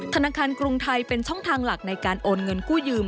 ธนาคารกรุงไทยเป็นช่องทางหลักในการโอนเงินกู้ยืม